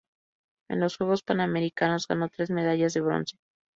En los Juegos Panamericanos, ganó tres medallas de bronce.